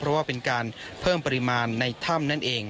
เพราะว่าเป็นการเพิ่มปริมาณในถ้ำนั่นเอง